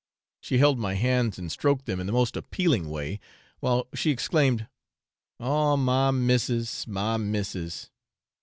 She held my hands and stroked them in the most appealing way, while she exclaimed, 'Oh my missis! my missis!